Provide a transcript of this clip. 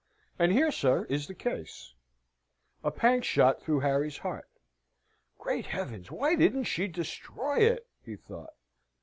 And here, sir, is the case." A pang shot through Harry's heart. "Great heavens! why didn't she destroy it?" he thought.